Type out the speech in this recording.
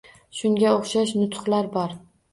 Shunga o'xshash nutqlar bor